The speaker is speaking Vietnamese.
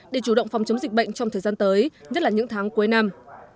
để chủ động phòng chống dịch bệnh trong thời gian tới nhất là những tháng cuối năm